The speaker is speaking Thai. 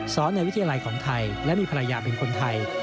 ในวิทยาลัยของไทยและมีภรรยาเป็นคนไทย